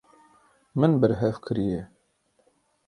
Min berhev kiriye.